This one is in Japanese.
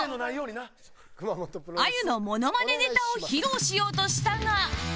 あゆのモノマネネタを披露しようとしたが